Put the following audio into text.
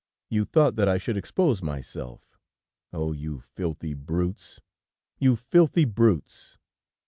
You thought that I should expose myself.... Oh! you filthy brutes you filthy brutes!'